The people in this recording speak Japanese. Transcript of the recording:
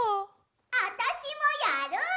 あたしもやる！